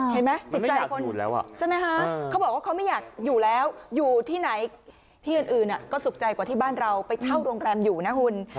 เห็นไหมจิตใจคนแล้วใช่ไหมคะเขาบอกว่าเขาไม่อยากอยู่แล้วอยู่ที่ไหนที่อื่นก็สุขใจกว่าที่บ้านเราไปเช่าโรงแรมอยู่นะคุณ